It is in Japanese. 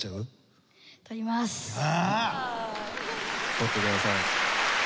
取ってください。